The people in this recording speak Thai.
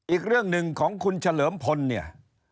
อีกเรื่องหนึ่งของคุณเฉลิมพลเนี่ย